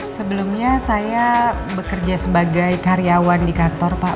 sebelumnya saya bekerja sebagai karyawan di kantor pak